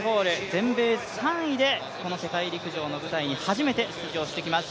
全米選手権３位でこの世界陸上の舞台に初めて出場してきます。